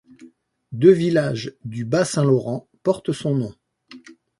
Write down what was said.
Deux villages du Bas-Saint-Laurent portent son nom.